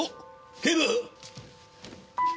警部！